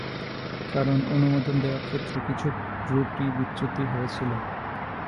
কারণ অনুমোদন দেওয়ার ক্ষেত্রে কিছু ত্রুটি বিচ্যুতি হয়েছিল।